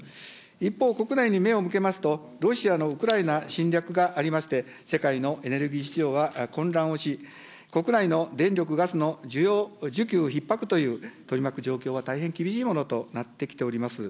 一方、国内に目を向けますと、ロシアのウクライナ侵略がありまして、世界のエネルギー事情が混乱をし、国内の電力、ガスの需要需給ひっ迫という取り巻く状況は大変厳しいものとなってきております。